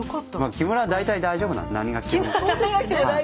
木村は大体大丈夫なんです何が来ても。